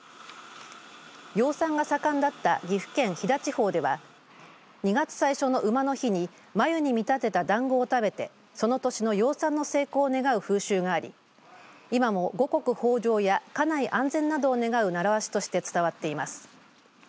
養蚕が盛んだった岐阜県飛騨地方では２月最初の、うまの日に繭に見立てただんごを食べてその年の養蚕の成功を願う風習があり今も、五穀豊じょうや家内安全などを願う習わしとして伝わっています。